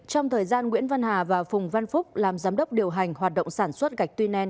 trong thời gian nguyễn văn hà và phùng văn phúc làm giám đốc điều hành hoạt động sản xuất gạch tuy nen